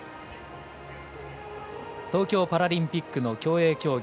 東京パラリンピックの競泳競技。